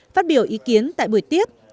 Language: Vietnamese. phát biểu ý kiến tại buổi tiếp